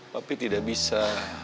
papi tidak bisa